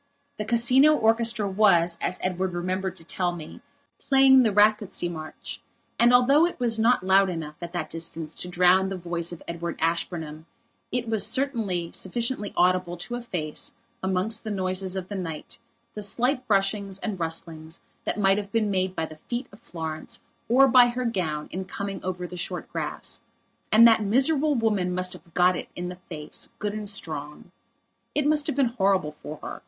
The Casino orchestra was, as Edward remembered to tell me, playing the Rakocsy march, and although it was not loud enough, at that distance, to drown the voice of Edward Ashburnham it was certainly sufficiently audible to efface, amongst the noises of the night, the slight brushings and rustlings that might have been made by the feet of Florence or by her gown in coming over the short grass. And that miserable woman must have got it in the face, good and strong. It must have been horrible for her.